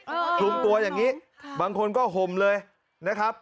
คลุมตัวอย่างนี้ค่ะบางคนก็ห่มเลยนะครับ